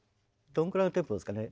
どのくらいのテンポですかね。